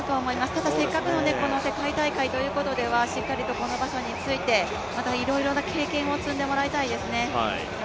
ただせっかくの世界大会というところではしっかりとこの場所についてまたいろいろな経験を積んでもらいたいですね。